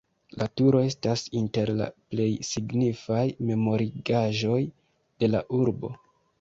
La turo estas inter la plej signifaj memorigaĵoj de la urbo.